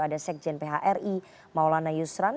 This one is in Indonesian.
ada sekjen phri maulana yusran